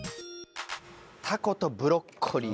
たことブロッコリー。